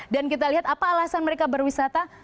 dan kita lihat apa alasan mereka berwisata